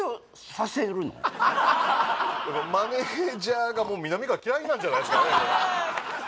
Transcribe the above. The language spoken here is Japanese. はいマネージャーがもうみなみかわ嫌いなんじゃないですかね